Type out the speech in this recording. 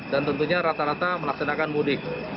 dan tentunya rata rata menaksanakan mudik